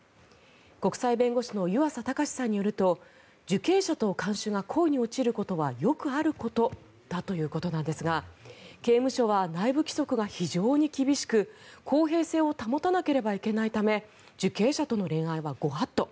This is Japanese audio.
国際弁護士の湯浅卓さんによると受刑者と看守が恋に落ちることはよくあることということなんですが刑務所は内部規則が非常に厳しく公平性を保たなければいけないため受刑者との恋愛はご法度。